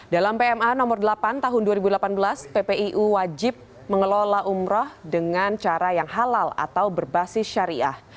dalam pma nomor delapan tahun dua ribu delapan belas ppiu wajib mengelola umroh dengan cara yang halal atau berbasis syariah